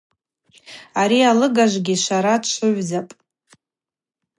Ари алыгажвгьи швара дшвыгӏвзапӏ.